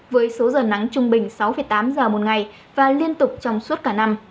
với số giờ nắng trung bình sáu tám giờ một ngày và liên tục trong suốt cả năm